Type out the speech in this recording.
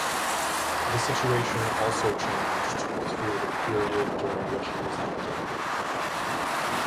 The situation also changed through the period during which he was active.